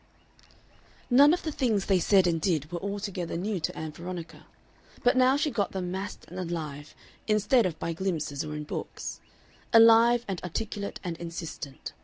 None of the things they said and did were altogether new to Ann Veronica, but now she got them massed and alive, instead of by glimpses or in books alive and articulate and insistent.